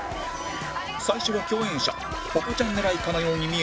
最初は共演者ぽぽちゃん狙いかのように見えたが